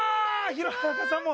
弘中さんも！